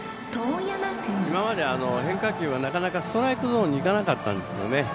今まで変化球はなかなかストライクゾーンにいかなかったんですよね。